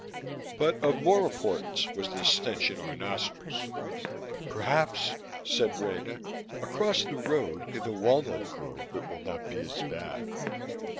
But of more importance was the stench in our nostrils. "Perhaps," said Rena, "across the road, in the walnut grove, it will not be as bad."